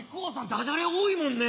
ダジャレ多いもんね。